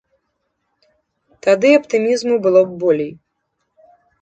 Тады аптымізму было б болей.